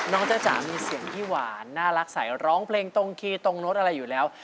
จ้าจ๋ามีเสียงที่หวานน่ารักใสร้องเพลงตรงคีย์ตรงโน้ตอะไรอยู่แล้ว